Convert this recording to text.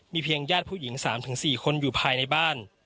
มีเพียงยาดผู้หญิง๓๔จิ่งห่างอยู่ภายในบ้าน